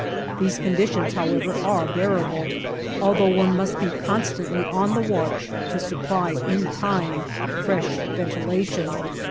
These conditions, however, are bearable, although one must be constantly on the watch to supply in time fresh ventilation.